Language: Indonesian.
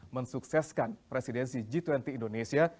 mensukseskan presidensi g dua puluh indonesia